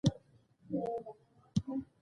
د کېمیاوي تجزیې لاره یې ټولو ته خلاصه کړېده.